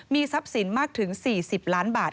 มีทรัพย์สินมากถึง๔๐ล้านบาท